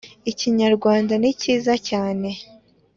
iknyarwanda ni cyiza cyane